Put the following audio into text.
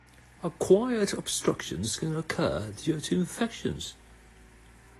Acquired obstructions can occur due to infections.